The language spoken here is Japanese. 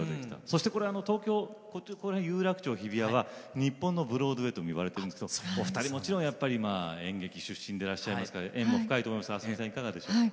そして東京ここら辺有楽町日比谷は日本のブロードウェイとも呼ばれてるんですけどお二人もちろんやっぱり演劇出身でらっしゃいますから縁も深いと思いますが明日海さんいかがでしょう。